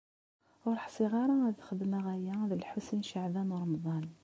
Ur ḥṣiɣ ara ad xedmeɣ aya d Lḥusin n Caɛban u Ṛemḍan.